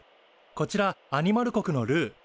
こちらアニマル国のルー。